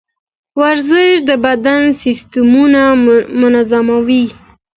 ورزش د بدن سیستمونه منظموي.